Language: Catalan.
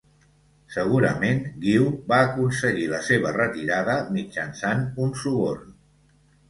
Segurament Guiu va aconseguir la seva retirada mitjançant un suborn.